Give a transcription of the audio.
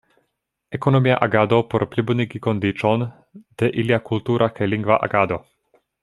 Ekonomia agado por plibonigi kondiĉon de ilia kultura kaj lingva agado.